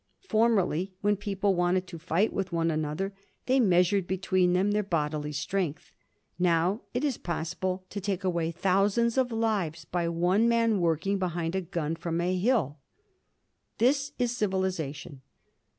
Formerly, when people wanted to fight with one another, they measured between them their bodily strength; now it is possible to take away thousands of lives by one man working behind a gun from a hill. This is civilization.